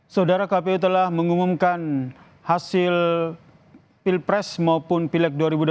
saudara kpu telah mengumumkan hasil pilpres maupun pileg dua ribu dua puluh